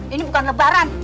ini bukan lebaran